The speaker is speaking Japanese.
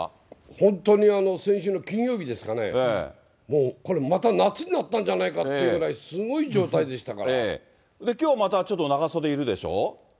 本当に先週の金曜日ですかね、もうこれまた夏になったんじゃないかってぐらいすごい状態でしたきょうまた、はい。